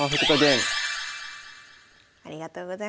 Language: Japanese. ありがとうございます。